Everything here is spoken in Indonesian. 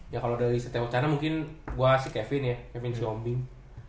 ya kalau dari setiap wacana mungkin gue si kevin ya kevin xiombing